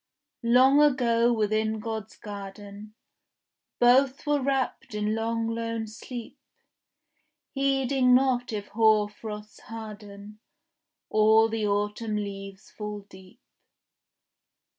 Long ago within God's garden Both were wrapped in long lone sleep, Heeding not if hoar frosts harden, Or the autumn leaves fall deep.